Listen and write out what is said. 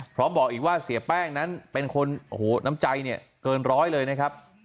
บอกอีกว่าเสียแป้งนั้นเป็นคนโอ้โหน้ำใจเนี่ยเกินร้อยเลยนะครับ